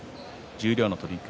十両の取組